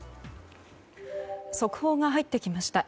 速報が入ってきました。